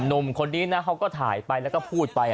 หนุ่มคนนี้นะเขาก็ถ่ายไปแล้วก็พูดไป